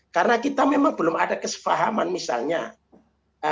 karena kita memang belum ada kesepahaman misalnya